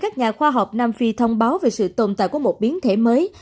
các nhà khoa học nam phi thông báo về sự tồn tại của một biến thể mới